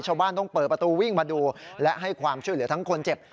ชาวบ้านต้องเปิดประตูวิ่งมาดูและให้ความช่วยเหลือทั้งคนเจ็บ